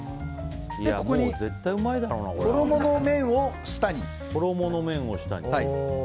ここに衣の面を下に。